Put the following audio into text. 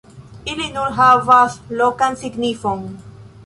Ili nur havas lokan signifon.